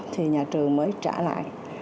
thì nhà trường mới trả lại